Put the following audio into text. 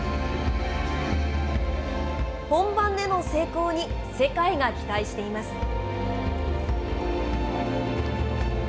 本番での成功に、世界が期待しています。